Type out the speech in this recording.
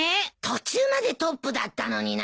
途中までトップだったのになあ。